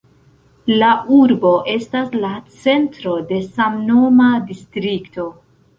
La urbo estas la centro de samnoma distrikto.